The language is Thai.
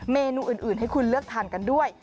เมนูอื่นให้คุณเลือกทานกันด้วย